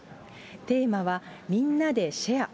テーマは、みんなでシェア。